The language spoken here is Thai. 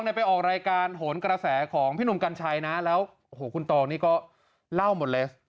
ไปออกรายการโหนกระแสของพี่หนุ่มกัญชัยนะแล้วโอ้โหคุณตองนี่ก็เล่าหมดเลย